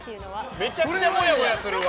めちゃくちゃもやもやするわ！